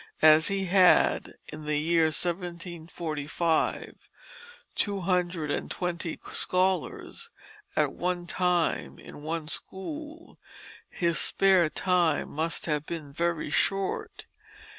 As he had, in the year 1745, two hundred and twenty scholars at one time in one school, his spare time must have been very short.